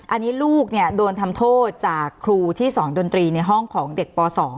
อันนี้ลูกโดนทำโทษจากครูที่สอนดนตรีในห้องของเด็กป๒